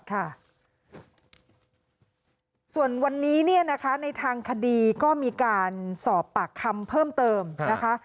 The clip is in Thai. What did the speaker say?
ส่วนวันนี้เนี่ยนะคะในทางคดีก็มีการสอบปากคำเพิ่มเติมนะคะ